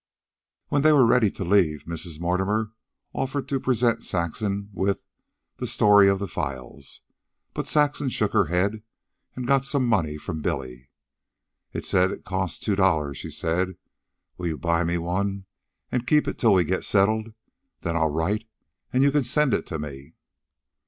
When they were ready to leave Mrs. Mortimer offered to present Saxon with "The Story of the Files"; but Saxon shook her head and got some money from Billy. "It says it costs two dollars," she said. "Will you buy me one, and keep it till we get settled? Then I'll write, and you can send it to me."